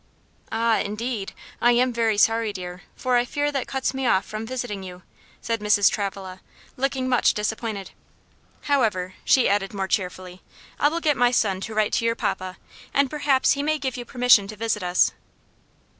"Ah, indeed! I am very sorry, dear, for I fear that cuts me off from visiting you," said Mrs. Travilla, looking much disappointed. "However," she added more cheerfully, "I will get my son to write to your papa, and perhaps he may give you permission to visit us."